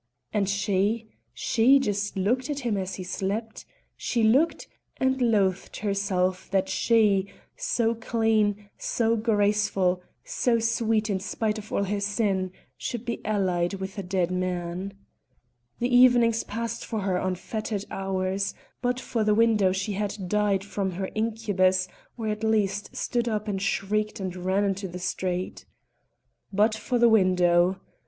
And she she just looked at him as he slept! She looked and loathed herself, that she so clean, so graceful, so sweet in spite of all her sin should be allied with a dead man. The evenings passed for her on fettered hours; but for the window she had died from her incubus, or at least stood up and shrieked and ran into the street. But for the window!